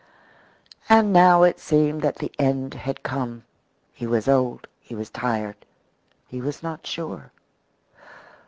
And now it seemed that the end had come; he was old, he was tired, he was not sure.